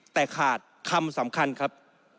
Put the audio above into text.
แต่ขาดคำสำคัญครับ